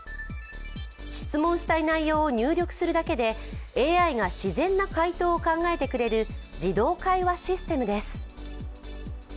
質問したい内容を入力するだけでＡＩが自然な回答を考えてくれる自動会話システムなんです。